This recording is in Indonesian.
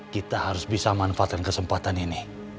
kita harus bisa manfaatkan kesempatan ini